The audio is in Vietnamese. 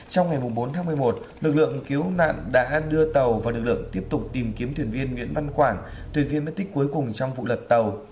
trong ngày bốn tháng một mươi một lực lượng cứu nạn đã đưa tàu và lực lượng tiếp tục tìm kiếm thuyền viên nguyễn văn quảng thuyền viên mất tích cuối cùng trong vụ lật tàu